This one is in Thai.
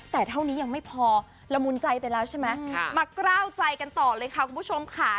แต่เท่านี้ยังไม่พอละมุนใจไปแล้วใช่ไหมมากล้าวใจกันต่อเลยค่ะคุณผู้ชมค่ะ